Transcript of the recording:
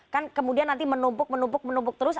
kan kemudian nanti menumpuk menumpuk menumpuk terus